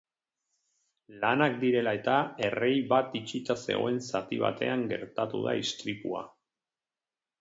Lanak direla-eta, errei bat itxita zegoen zati batean gertatu da istripua.